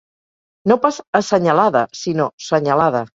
No pas assenyalada sinó senyalada.